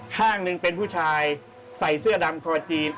ข้างหนึ่งเป็นผู้ชายใส่เสื้อดำคอจีน